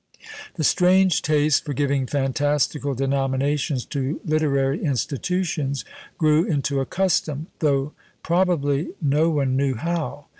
The strange taste for giving fantastical denominations to literary institutions grew into a custom, though, probably, no one knew how.